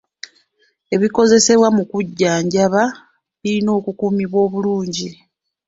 Ebikozesebwa mu kujjanjaba birina okukuumibwa obulungi